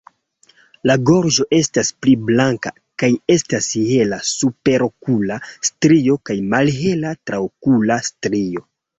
La gorĝo estas pli blanka kaj estas hela superokula strio kaj malhela traokula strio.